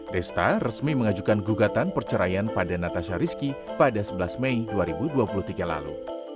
desta resmi mengajukan gugatan perceraian pada natasha rizky pada sebelas mei dua ribu dua puluh tiga lalu